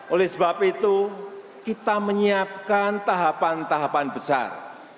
oleh sebab itu kita menyiapkan tahapan tahapan besar